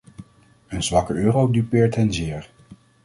Een zwakke euro dupeert hen zeer.